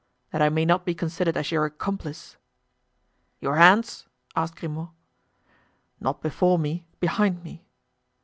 "That I may not be considered as your accomplice." "Your hands?" asked Grimaud. "Not before me, behind me."